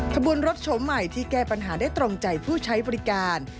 ขบวนรถโฉมใหม่ที่แก้ปัญหาได้ตรงใจผู้ใช้บริการ